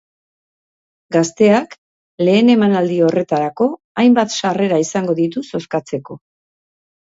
Gazteak lehen emanaldi horretarako hainbat sarrera izango ditu zozkatzeko.